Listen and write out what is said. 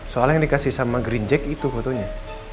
soalnya yang dikasih sama green jack itu fotonya